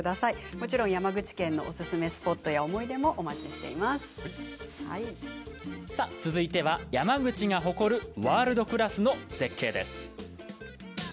もちろん山口県のおすすめスポットや思い出も続いては山口が誇るワールドクラスの絶景です。